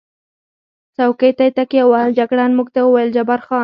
څوکۍ ته یې تکیه ووهل، جګړن موږ ته وویل: جبار خان.